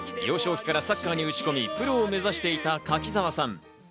幼少期からサッカーに打ち込み、プロを目指していた柿澤さん。